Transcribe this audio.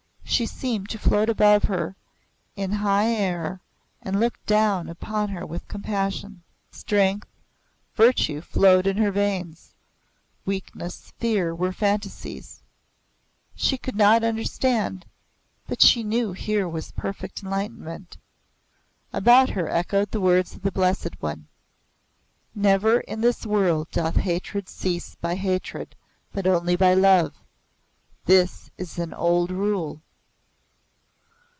She seemed to float above her in high air and look down upon her with compassion. Strength, virtue flowed in her veins; weakness, fear were fantasies. She could not understand, but knew that here was perfect enlightenment. About her echoed the words of the Blessed One: "Never in this world doth hatred cease by hatred, but only by love. This is an old rule."